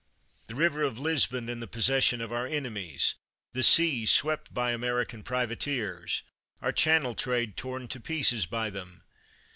The river of Lisbon in the possession of our ene mies! The seas swept by American privateers! Our Channel trade torn to pieces by them!